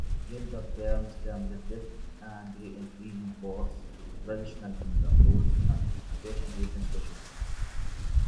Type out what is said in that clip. Gendered terms can reflect and reinforce traditional gender roles and expectations within society.